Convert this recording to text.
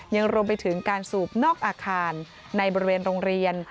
ยังรวมไปถึงการสูบนอกอาคารในบริเวณโรงเรียน